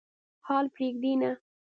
حال پرېږدي نه.